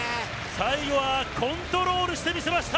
最後はコントロールしてみせました。